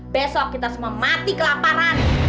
besok kita semua mati kelaparan